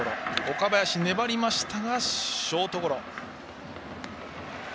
岡林は粘りましたがショートゴロ。